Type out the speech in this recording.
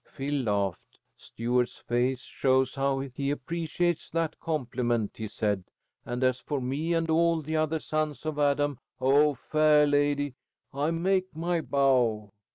Phil laughed. "Stuart's face shows how he appreciates that compliment," he said, "and as for me and all the other sons of Adam, oh, fair layde, I make my bow!"